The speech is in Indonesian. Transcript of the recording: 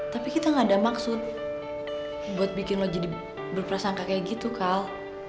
tapi kita gak ada maksud buat bikin lo jadi berprasangka kayak gitu kak